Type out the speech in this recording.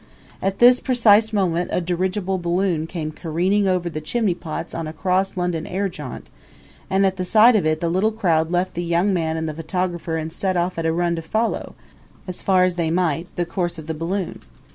At this precise moment a dirigible balloon came careening over the chimneypots on a cross London air jaunt; and at the sight of it the little crowd left the young man and the photographer and set off at a run to follow, as far as they might, the course of the balloon.